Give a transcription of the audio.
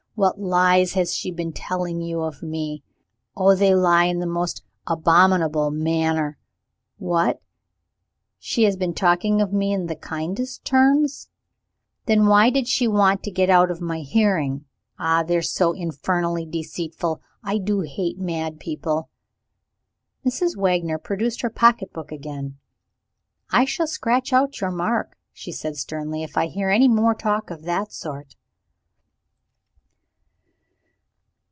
What lies has she been telling you of me? Oh, they lie in the most abominable manner! What? She has been talking of me in the kindest terms? Then why did she want to get out of my hearing? Ah, they're so infernally deceitful! I do hate mad people." Mrs. Wagner produced her pocket book again. "I shall scratch out your mark," she said sternly, "if I hear any more talk of that sort."